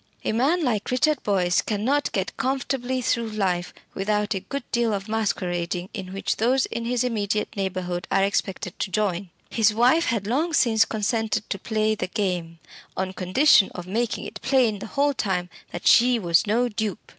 A man like Richard Boyce cannot get comfortably through life without a good deal of masquerading in which those in his immediate neighbourhood are expected to join. His wife had long since consented to play the game, on condition of making it plain the whole time that she was no dupe.